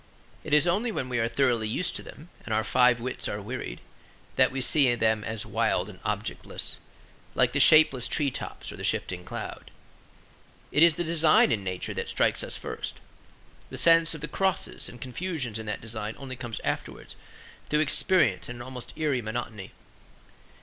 It is only when we are thoroughly used to them and our five wits are wearied, that we see them as wild and objectless; like the shapeless tree tops or the shifting cloud. It is the design in Nature that strikes us first; the sense of the crosses and confusions in that design only comes afterwards through experience and an almost eerie monotony.